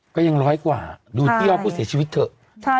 ก็ยังร้อยกว่าดูที่ยอดผู้เสียชีวิตเถอะ